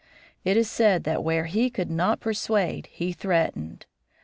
It is said that where he could not persuade he threatened.